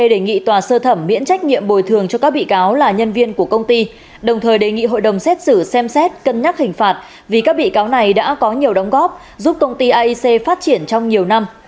đề nghị tòa sơ thẩm miễn trách nhiệm bồi thường cho các bị cáo là nhân viên của công ty đồng thời đề nghị hội đồng xét xử xem xét cân nhắc hình phạt vì các bị cáo này đã có nhiều đóng góp giúp công ty aic phát triển trong nhiều năm